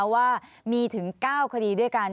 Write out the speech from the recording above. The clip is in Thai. ว่ามีถึง๙คดีด้วยกัน